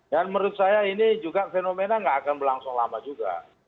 menurut saya ini juga fenomena nggak akan berlangsung lama juga